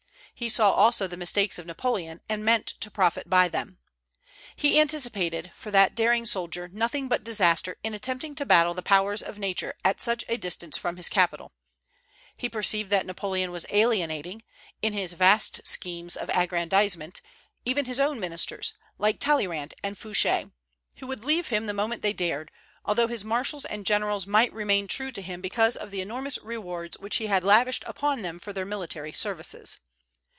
He saw also the mistakes of Napoleon, and meant to profit by them. He anticipated for that daring soldier nothing but disaster in attempting to battle the powers of Nature at such a distance from his capital. He perceived that Napoleon was alienating, in his vast schemes of aggrandizement, even his own ministers, like Talleyrand and Fouché, who would leave him the moment they dared, although his marshals and generals might remain true to him because of the enormous rewards which he had lavished upon them for their military services.